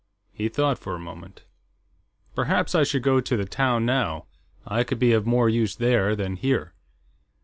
He thought for a moment. "Perhaps I should go to the town, now. I could be of more use there than here."